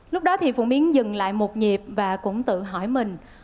lúc đó thì phụ miến dừng lại một nhịp và cũng tự hỏi mình